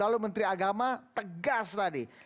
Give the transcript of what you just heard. lalu menteri agama tegas tadi